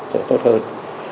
sẽ tốt hơn